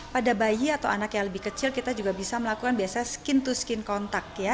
pada bayi atau anak yang lebih kecil kita juga bisa melakukan biasanya skin to skin kontak ya